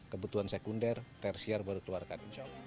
kebutuhan sekunder tersiar baru keluarkan